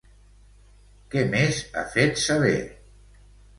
Què més ha fet saber?